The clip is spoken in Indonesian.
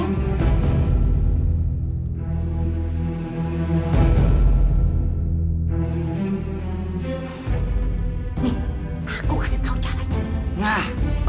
hmm aku kasih tahu caranya